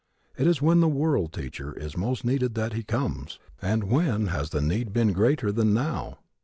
It is when the World Teacher is most needed that he comes; and when has the need been greater than now?